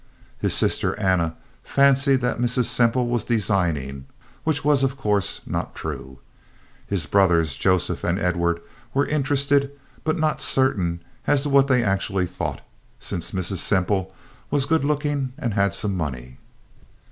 His sister Anna fancied that Mrs. Semple was designing, which was, of course, not true. His brothers, Joseph and Edward, were interested, but not certain as to what they actually thought, since Mrs. Semple was good looking and had some money.